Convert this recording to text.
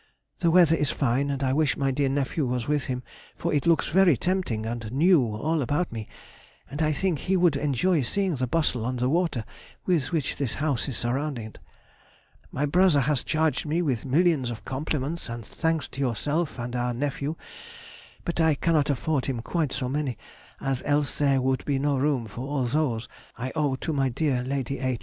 The weather is fine, and I wish my dear nephew was with him, for it looks very tempting and new all about me, and I think he would enjoy seeing the bustle on the water with which this house is surrounded. My brother has charged me with millions of compliments and thanks to yourself and our nephew, but I cannot afford him quite so many, as else there would be no room for all those I owe to my dear Lady H.